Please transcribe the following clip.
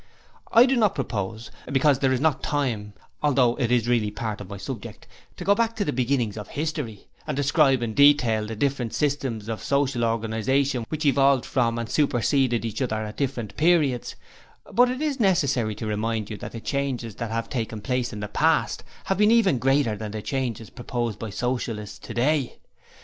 I do not propose because there is not time, although it is really part of my subject to go back to the beginnings of history, and describe in detail the different systems of social organization which evolved from and superseded each other at different periods, but it is necessary to remind you that the changes that have taken place in the past have been even greater than the change proposed by Socialists today.